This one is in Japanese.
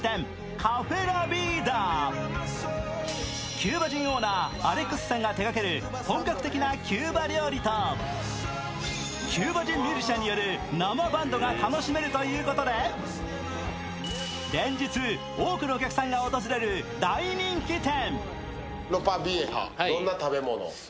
キューバ人オーナーアレックスさんが手がける本格的なキューバ料理とキューバ人ミュージシャンによる生バンドが楽しめるということで連日、多くの客さんが訪れる大人気店。